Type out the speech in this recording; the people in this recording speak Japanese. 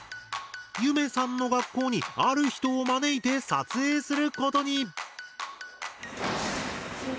ゆめさんの学校にある人を招いて撮影することに。